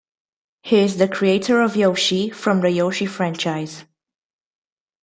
He is the creator of Yoshi from the "Yoshi" franchise.